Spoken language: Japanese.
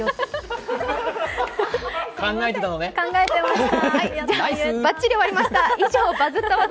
考えてました。